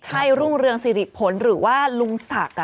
ใช่รุ่งเรืองสิริผลหรือว่าลุงศักดิ์